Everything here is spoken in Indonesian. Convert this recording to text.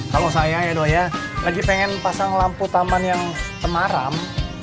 kalau saya ya doa ya lagi pengen pasang lampu taman yang temaram